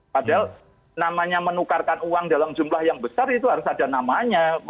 padahal namanya menukarkan uang dalam jumlah yang besar itu harus ada namanya